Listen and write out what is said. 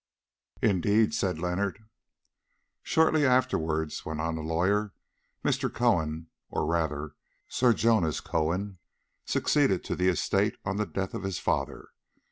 "Indeed!" said Leonard. "Shortly afterwards," went on the lawyer, "Mr. Cohen, or rather Sir Jonas Cohen, succeeded to the estate on the death of his father.